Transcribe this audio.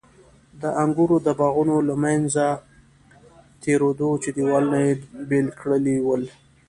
د انګورو د باغونو له منځه تېرېده چې دېوالونو بېل کړي ول.